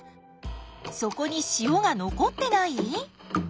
底に塩が残ってない？